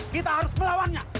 kita harus melawannya